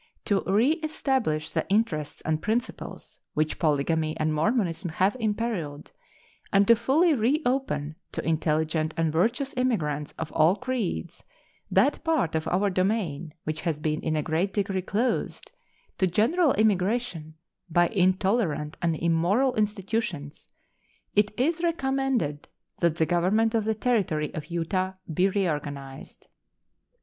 To reestablish the interests and principles which polygamy and Mormonism have imperiled, and to fully reopen to intelligent and virtuous immigrants of all creeds that part of our domain which has been in a great degree closed to general immigration by intolerant and immoral institutions, it is recommended that the government of the Territory of Utah be reorganized.